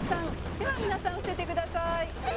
では皆さん伏せてください。